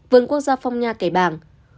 vườn quốc gia phong nha cải bàng